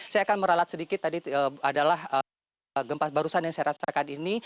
saya akan meralat sedikit tadi adalah gempa barusan yang saya rasakan ini